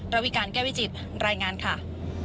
ระวิการแก้วิจิตรายงานค่ะ